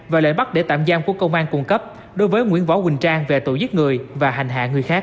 và lệnh bắt để tạm giam của công an cung cấp đối với nguyễn võ quỳnh trang về tội giết người và hành hạ người khác